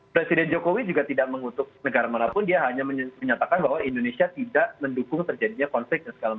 presiden jokowi juga tidak mengutuk negara manapun dia hanya menyatakan bahwa indonesia tidak mendukung terjadinya konflik dan segala macam